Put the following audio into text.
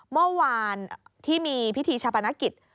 เมื่อวานที่มีพิธีชาปนกิจ